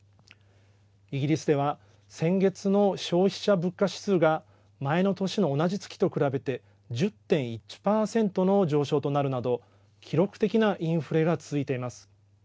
イギリスでは先月の消費者物価指数が前の年の同じ月と比べて１０．１パーセントの上昇となるなど記録的なインフレが続いています。